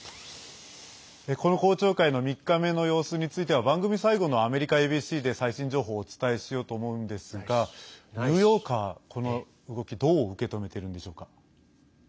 この公聴会の３日目の様子については番組最後のアメリカＡＢＣで最新情報をお伝えしようと思うんですがニューヨーカー、この動きどう受け止めているんでしょうか。